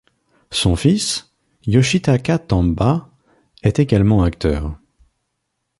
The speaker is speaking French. Son fils, Yoshitaka Tanba est également acteur.